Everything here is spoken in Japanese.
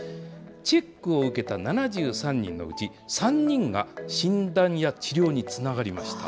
チェックを受けた７３人のうち、３人が診断や治療につながりました。